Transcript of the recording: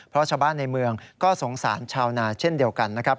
เพราะชาวบ้านในเมืองก็สงสารชาวนาเช่นเดียวกันนะครับ